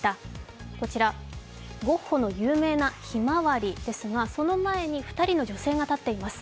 ゴッホの有名な「ひまわり」ですが、その前に２人の女性が立っています。